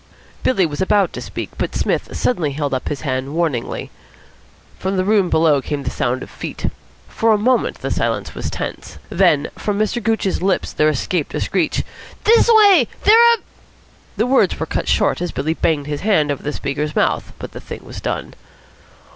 Billy was about to speak, but Psmith suddenly held up his hand warningly. From the room below came a sound of feet. For a moment the silence was tense. Then from Mr. Gooch's lips there escaped a screech. "This way! They're up " The words were cut short as Billy banged his hand over the speaker's mouth. But the thing was done.